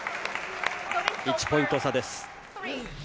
１ポイント差です。